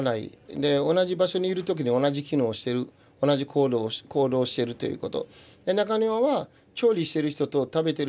で同じ場所にいる時に同じ機能をしてる同じ行動をしてるということ。